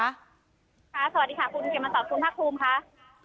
สวัสดีค่ะคุณเกมสตรคุณภักษ์ภูมิค่ะ